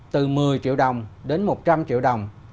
từ một mươi triệu đồng đến một trăm linh triệu đồng